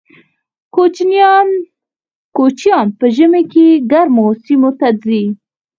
کوچیان په ژمي کې ګرمو سیمو ته ځي